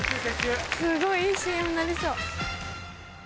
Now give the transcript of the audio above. すごいいいＣＭになりそう。